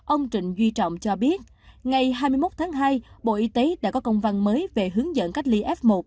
ông trịnh duy trọng cho biết ngày hai mươi một tháng hai bộ y tế đã có công văn mới về hướng dẫn cách ly f một